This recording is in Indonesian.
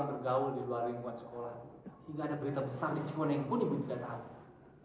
tidak ada berita besar di sekolah yang pun ibu tidak tahu